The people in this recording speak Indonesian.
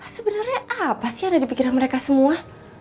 sebenarnya apa sih ada di pikiran mereka semua